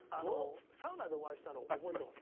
サウナでお会いしたの覚えてます？